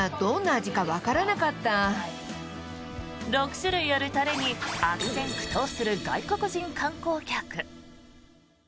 ６種類あるタレに悪戦苦闘する外国人観光客。